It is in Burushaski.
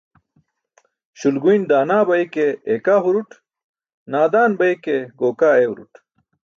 Śulguyn daana bay ke eekaa hurut, naadaan bay ke gookaa ewrut.